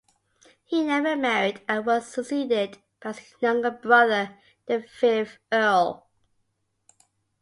He never married and was succeeded by his younger brother, the fifth Earl.